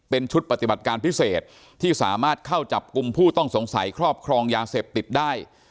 เป็นชุดปฏิบัติการพิเศษที่สามารถเข้าจับกลุ่มผู้ต้องสงสัยครอบครองยาเสพติดได้